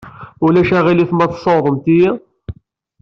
Ulac aɣilif ma tessawḍemt-iyi?